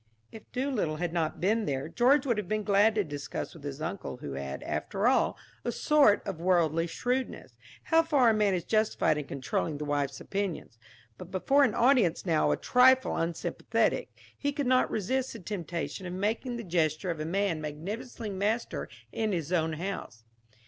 If Doolittle had not been there, George would have been glad to discuss with his uncle, who had, after all, a sort of worldly shrewdness, how far a man is justified in controlling his wife's opinions. But before an audience now a trifle unsympathetic, he could not resist the temptation of making the gesture of a man magnificently master in his own house.